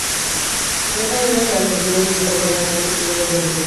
Se trata de una de las regiones vitícolas más pequeñas de Hungría.